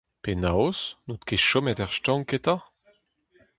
Penaos, n'out ket chomet er stank eta ?